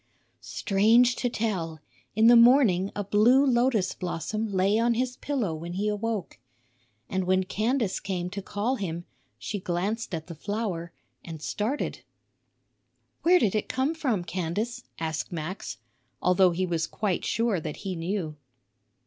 Strange to tell, in the morning a blue lotus blossom lay on his pillow when he awoke. And when Candace came to call him, she glanced at the flower and started. "Where did it come from, Candace?" asked Max, although he was quite sure that he knew.